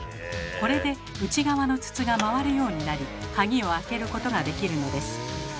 これで内側の筒が回るようになり鍵を開けることができるのです。